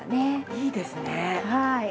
いいですね。